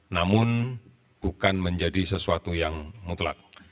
namun bukan menjadi sesuatu yang mutlak